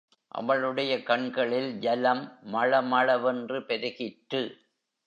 அவளுடைய கண்களில் ஜலம் மள மள வென்று பெருகிற்று.